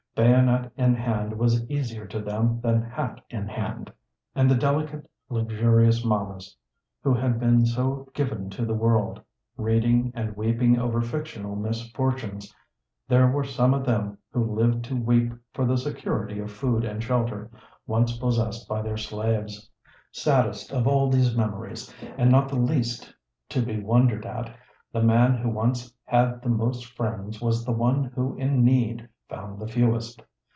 Bayonet in hand was easier to them than hat in hand. And the delicate luxurious Mamas, who had been so given to the world, reading and weeping over fictional misfortunes — there were some of them who lived to weep for the security of food and shelter, once possessed by their slaves. Saddest of all these memories, and not the least to be wondered at, the man who once had the most friends was the one who in need found the fewest.